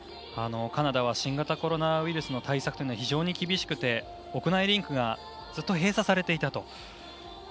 カナダは新型コロナウイルスの対策が非常に厳しくて屋内リンクがずっと閉鎖されていたと。